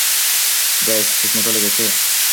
ব্র্যায, ঠিকমত লেগেছে?